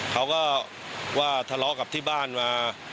เขาก็ว่าทะเลาะกับที่บ้านมา